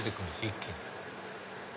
一気に。